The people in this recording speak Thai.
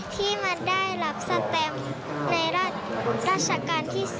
ที่มาได้รับสแตมในราชการที่๓